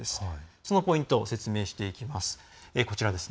そのポイントを説明していきます。